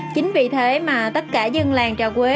chính vì thế mà tất cả dân làng trà quế